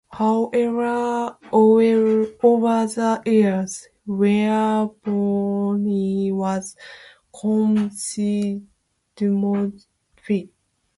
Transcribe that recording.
However, over the years, weaponry was considerably modified.